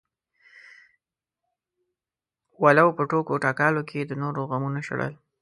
ولو په ټوکو ټکالو کې د نورو غمونه شړل.